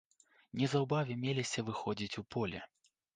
Неўзабаве меліся выходзіць у поле.